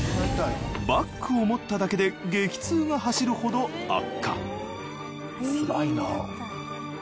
バッグを持っただけで激痛が走るほど悪化大変だった。